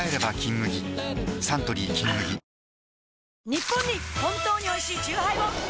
ニッポンに本当においしいチューハイを！